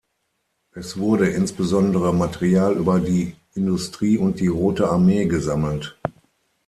Es wurde insbesondere Material über die Industrie und die Rote Armee gesammelt.